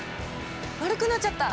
丸くなっちゃった！